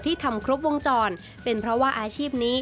ทำครบวงจรเป็นเพราะว่าอาชีพนี้